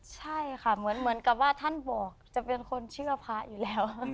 ใช่ค่ะเหมือนกับว่าท่านบอกจะเป็นคนเชื่อพระอยู่แล้ว